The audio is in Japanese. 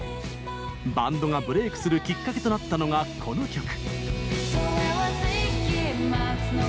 バンドがブレイクするきっかけとなったのが、この曲。